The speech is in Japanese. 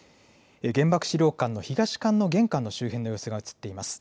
原爆資料館の東館の現在の周辺の様子が映っています。